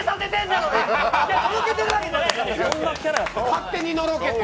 勝手にのろけて。